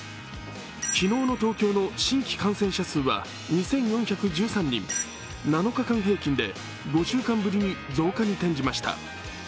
昨日の東京の新規感染者数は２４１３人、７日間平均で５週間ぶりに増加に転じました。